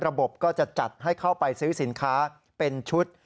ก็จะจัดให้เข้าไปซื้อสินค้าเป็นชุด